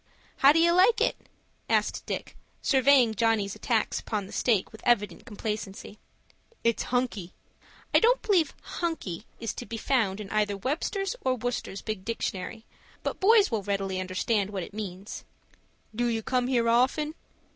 "How do you like it?" asked Dick, surveying Johnny's attacks upon the steak with evident complacency. "It's hunky." I don't believe "hunky" is to be found in either Webster's or Worcester's big dictionary; but boys will readily understand what it means. "Do you come here often?"